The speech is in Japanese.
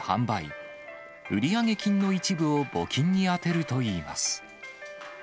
売上金の一部を募金に充てるといいます。